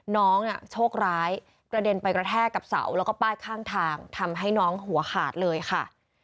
น้องโชคร้ายกระเด็นไปกระแทกกับเสาแล้วก็ป้ายข้างทางทำให้น้องหัวขาดเลยค่ะ